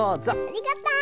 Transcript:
ありがとう！